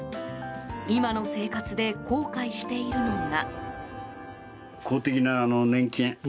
今の生活で後悔しているのが。